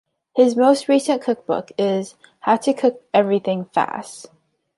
His most recent cookbook is How to Cook Everything Fast.